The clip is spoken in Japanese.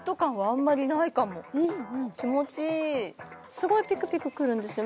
すごいピクピクくるんですよ